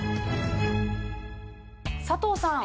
佐藤さん。